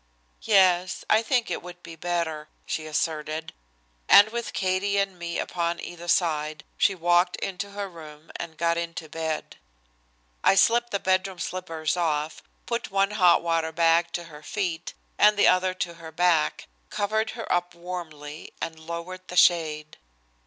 "Yes, I think it would be better," she asserted, and with Katie and me upon either side, she walked into her room and got into bed. I slipped the bedroom slippers off, put one hot water bag to her feet and the other to her back, covered her up warmly and lowered the shade.